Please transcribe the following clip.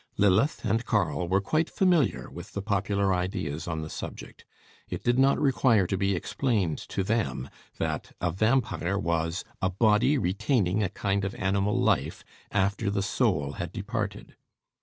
Lilith and Karl were quite familiar with the popular ideas on the subject. It did not require to be explained to them, that a vampire was a body retaining a kind of animal life after the soul had departed.